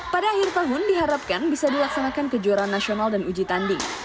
pada akhir tahun diharapkan bisa dilaksanakan kejuaraan nasional dan uji tanding